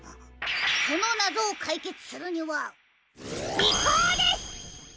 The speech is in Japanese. そのなぞをかいけつするにはびこうです！